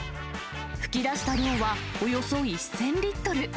噴き出した量はおよそ１０００リットル。